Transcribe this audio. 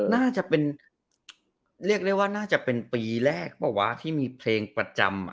น่าจะเป็นเรียกได้ว่าน่าจะเป็นปีแรกเปล่าวะที่มีเพลงประจำ